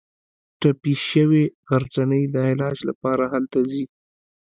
ټپي شوې غرڅنۍ د علاج لپاره هلته ځي.